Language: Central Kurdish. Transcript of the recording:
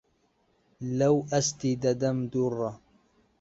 لەو ئەستی دەدەم دوڕە